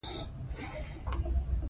کویلیو باور لري هر انسان شخصي افسانه لري.